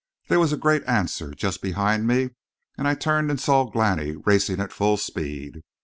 There was a great answer just behind me, and I turned and saw Glani racing at full speed.